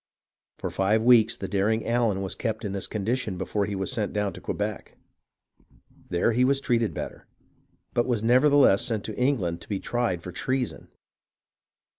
For five weeks the daring Allen was kept in this condition before he was sent down to Quebec. There he was treated better, but was nevertheless sent to England to be tried for treason.